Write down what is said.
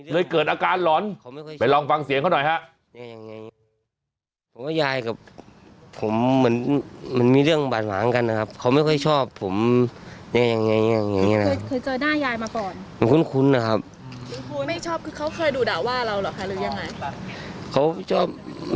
เกิดอาการหลอนไปลองฟังเสียงเขาหน่อยฮะ